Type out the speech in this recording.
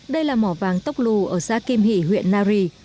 đây là mỏ vàng tốc lù ở xã kim hỷ huyện nari